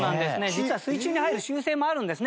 実は水中に入る習性もあるんですね。